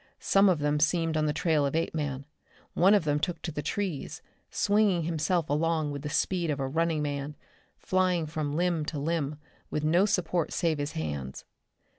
Some of them seemed on the trail of Apeman. One of them took to the trees, swinging himself along with the speed of a running man, flying from limb to limb with no support save his hands.